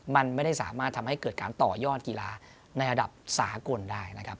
มันไม่ได้สามารถทำให้เกิดการต่อยอดกีฬาในระดับสากลได้นะครับ